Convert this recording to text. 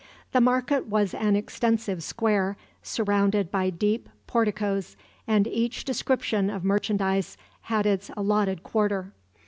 The market was an extensive square, surrounded by deep porticoes, and each description of merchandise had its allotted quarter.